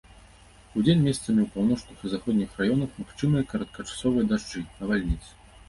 Удзень месцамі ў паўночных і заходніх раёнах магчымыя кароткачасовыя дажджы, навальніцы.